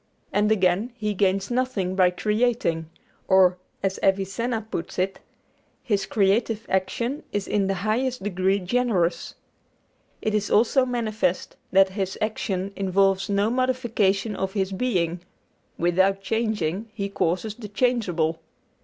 And again, he gains nothing by creating, or, as Avicenna puts it, His creative action is in the highest degree generous. It is also manifest that His action involves no modification of His being without changing, He causes the changeable.